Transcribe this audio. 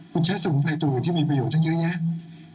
คุณใช้สมุนไพรตัวอื่นที่มีประโยชนตั้งเยอะแยะ